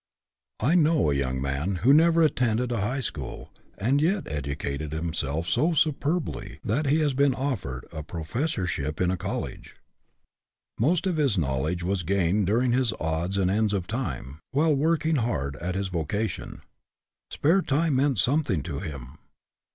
I know a young man who never even at tended a high school, and yet educated himself so superbly that he has been offered a profes 40 EDUCATION BY ABSORPTION sorship in a college. Most of his knowledge was gained during his odds and ends of time, while working hard at his vocation. Spare time meant something to him.